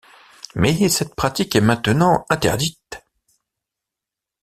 Mais cette pratique est maintenant interdite.